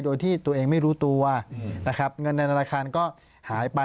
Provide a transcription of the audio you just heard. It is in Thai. โดยที่ตัวเองไม่รู้ตัวนะครับเงินในธนาคารก็หายไป